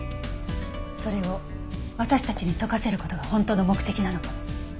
それを私たちに解かせる事が本当の目的なのかも。